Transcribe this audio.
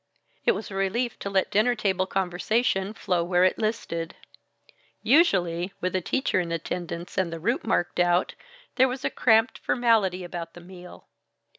It was a relief to let dinner table conversation flow where it listed; usually, with a teacher in attendance and the route marked out, there was a cramped formality about the meal.